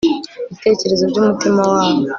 bitekerezo by'umutima wabo